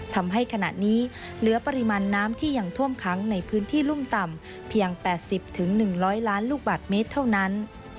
ทำให้ขณะนี้เหลือปริมาณน้ำที่ยังท่วมค้างในพื้นที่รุ่มต่ำเพียง๘๐๑๐๐ล้านลูกบาทเมตรเท่านั้น